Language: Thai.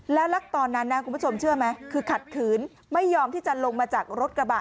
แล้วตอนนั้นนะคุณผู้ชมเชื่อไหมคือขัดขืนไม่ยอมที่จะลงมาจากรถกระบะ